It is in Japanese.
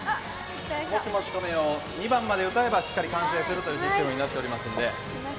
「もしもしかめよ」を２番まで歌えばしっかり完成するというシステムになっております。